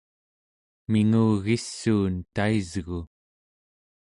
mingugissuun taisgu